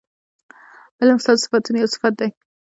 علم ستا د صفتونو یو صفت دی